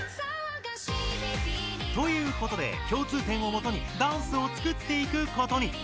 ということで共通点をもとにダンスをつくっていくことに。